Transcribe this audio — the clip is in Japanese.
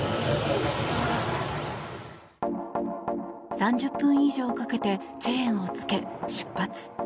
３０分以上かけてチェーンを着け、出発。